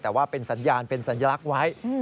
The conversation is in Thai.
แต่ว่าเป็นสัญญาณเป็นสัญลักษณ์ไว้